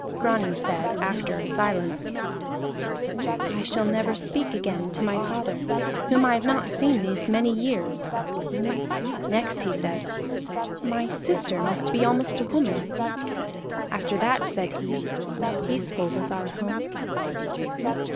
Grani said after a silence: "I shall never speak again to my father, whom I have not seen these many years." Next he said: "My sister must be almost a woman." After that said he: "Peaceful was our home."